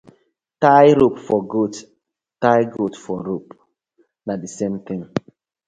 Tie rope for goat, tie goat for rope, na the same thing.